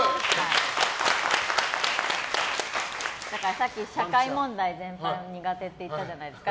さっき社会問題全般苦手って言ったじゃないですか。